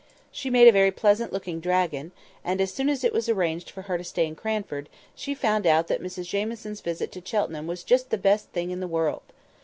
She made a very pleasant looking dragon; and, as soon as it was arranged for her stay in Cranford, she found out that Mrs Jamieson's visit to Cheltenham was just the best thing in the world.